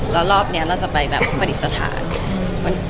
แล้วรอบนี้เราจะไปแบบปฏิสถาน